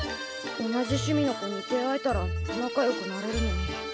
同じ趣味の子に出会えたら仲良くなれるのに。